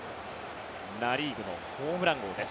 ナ・リーグのホームラン王です。